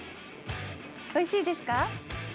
おいしいですか？